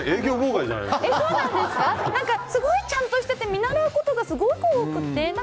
すごいちゃんとしてて見習うことがすごく多くて。